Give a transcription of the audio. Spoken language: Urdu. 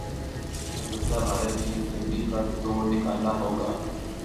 البتہ بھارت کی ہٹ دھرمی کاتوڑ نکالنا ہوگا